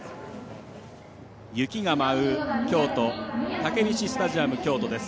雪が舞う、京都たけびしスタジアム京都です。